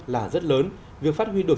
là rất lớn việc phát huy được